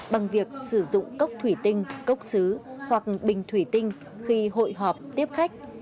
bằng việc sử dụng cốc thủy tinh cốc xứ hoặc bình thủy tinh khi hội họp tiếp khách